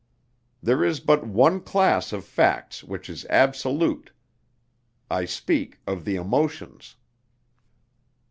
There is but one class of facts which is absolute. I speak of the emotions.